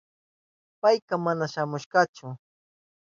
Payka mana shamushkachu.